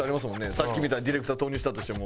さっきみたいにディレクター投入したとしても。